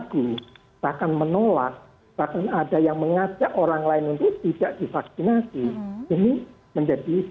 kita maunya menghargai masyarakat meminta